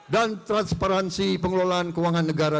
dan transparansi pengelolaan keuangan negara